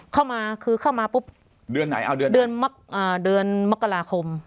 เข้ามาคือเข้ามาปุ๊บเดือนไหนเอาเดือนเดือนมกราคม